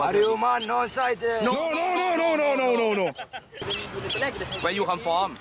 อัลลาวาสอย่าจับผม